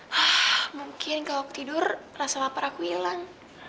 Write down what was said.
hai hai mungkin kalau tidur rasa wapar aku hilang